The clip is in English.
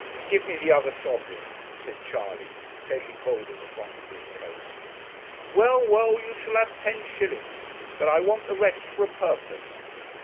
'Give me the other sovereign,' said Charley, taking hold of the front of his coat. 'Well, well, you shall have ten shillings; but I want the rest for a purpose.'